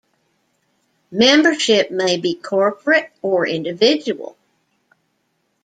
Membership may be corporate or individual.